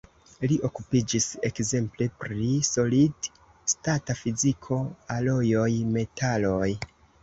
Li okupiĝis ekzemple pri solid-stata fiziko, alojoj, metaloj.